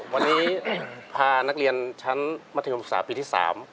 วันนี้พานักเรียนชั้นมศปีที่๓